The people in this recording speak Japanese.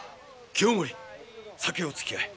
清盛酒をつきあえ。